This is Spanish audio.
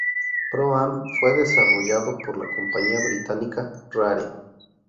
Pro-Am" fue desarrollado por la compañía británica Rare.